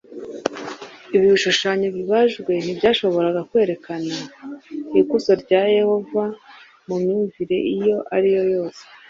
Ibi bishushanyo bibajwe ntibyashoboraga kwerekana ikuzo rya Yehova mu myumvire iyo ari yo yose.